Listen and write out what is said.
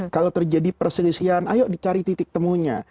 kalau terjadi perselisihan ayo dicari titik temunya